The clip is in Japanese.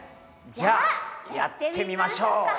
じゃあやってみましょうか！